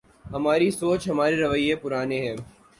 ہماری سوچ ‘ ہمارے رویے پرانے ہیں۔